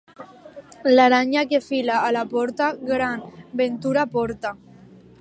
L'aranya que fila a la porta, gran ventura porta.